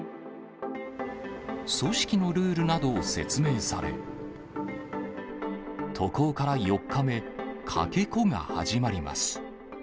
組織のルールなどを説明され、渡航から４日目、かけ子が始まります。